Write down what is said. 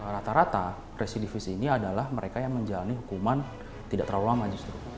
rata rata residivis ini adalah mereka yang menjalani hukuman tidak terlalu lama justru